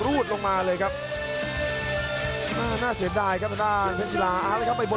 อุ้ยจุกครับ